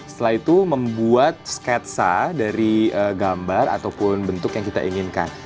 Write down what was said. setelah itu membuat sketsa dari gambar ataupun bentuk yang kita inginkan